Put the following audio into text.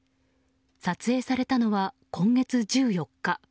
撮影されたのは今月１４日。